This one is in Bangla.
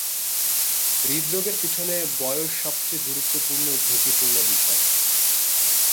হৃদরোগের পিছনে বয়স সবচেয়ে গুরুত্বপূর্ণ ঝুঁকিপূর্ণ বিষয়।